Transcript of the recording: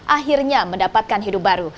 akhirnya mendapatkan hidup baru